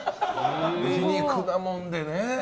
皮肉なもんでね。